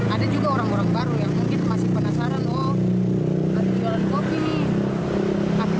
ada juga orang orang baru yang mungkin masih penasaran